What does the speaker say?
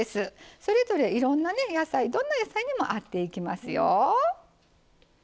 それぞれいろんなね野菜どんな野菜にも合っていきますよ。